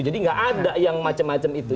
jadi nggak ada yang macam macam itu